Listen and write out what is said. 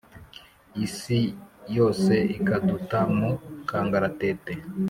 Isi yose ikaduta mu kangaratete